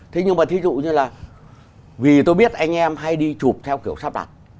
thế nhưng mà thí dụ như là vì tôi biết anh em hay đi chụp theo kiểu sắp đặt